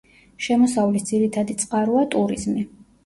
შემოსავლის ძირითადი წყაროა ტურიზმი.